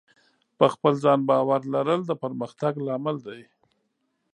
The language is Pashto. په خپل ځان باور لرل د پرمختګ لامل دی.